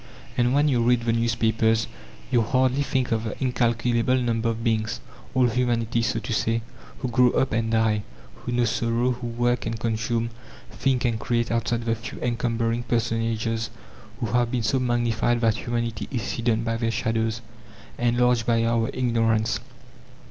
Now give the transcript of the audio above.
And when you read the newspapers, your hardly think of the incalculable number of beings all humanity, so to say who grow up and die, who know sorrow, who work and consume, think and create outside the few encumbering personages who have been so magnified that humanity is hidden by their shadows, enlarged by our ignorance.